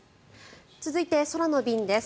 続いて、空の便です。